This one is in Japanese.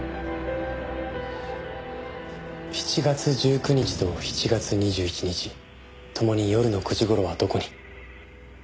７月１９日と７月２１日ともに夜の９時頃はどこに？